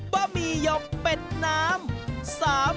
บะหมี่หยกเป็ดน้ำ